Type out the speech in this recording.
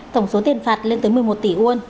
tổng số tiền phạt lên tới một mươi một tỷ won